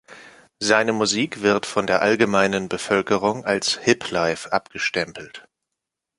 Seine Musik wird von der allgemeinen Bevölkerung als Hiplife abgestempelt.